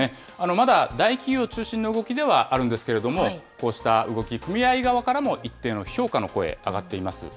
まだ大企業中心の動きではあるんですけれども、こうした動き、組合側からも一定の評価の声、上がっています。